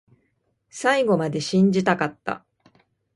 最後まで信じたかった